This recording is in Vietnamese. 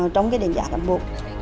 trong cái đánh giá cán bộ